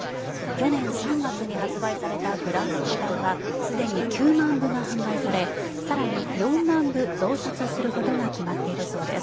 去年３月に発売されたフランス語版はすでに９万部が販売され更に４万部増刷することが決まっているそうです。